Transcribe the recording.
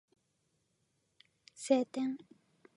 晴天